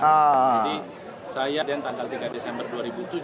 jadi saya ada yang tanggal tiga desember dua ribu tujuh belas